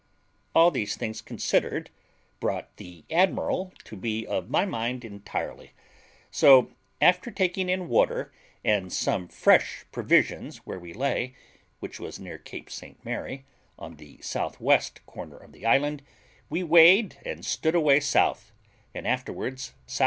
All these things considered, brought the admiral to be of my mind entirely; so, after taking in water and some fresh provisions where we lay, which was near Cape St Mary, on the south west corner of the island, we weighed and stood away south, and afterwards S.S.